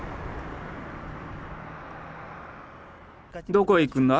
どこへ行くんだ？